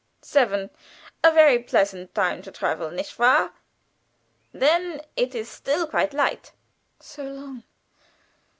"Seven: a very pleasant time to travel, nicht wahr? Then it is still quite light." "So long!